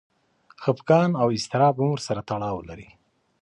خپګان او اضطراب هم ورسره تړاو لري.